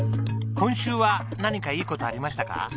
今週は何かいい事ありましたか？